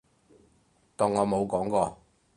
當我冇講過